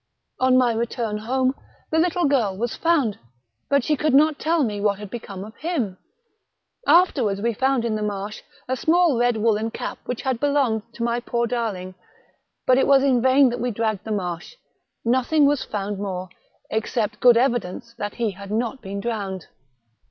On my return home, the little girl was found, but she could mot tell me what had become of him. Afterwards we found in the marsh a small red woollen cap which had belonged to my poor darling ; but it was in vain that we dragged the marsh, nothing was found more, except good evidence that he had not been drowned.